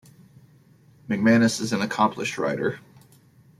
McManus is an accomplished writer.